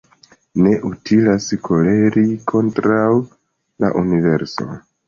Ne utilas koleri kontraŭ la universo